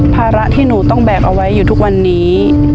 ภาระที่หนูต้องแบกเอาไว้อยู่ทุกวันนี้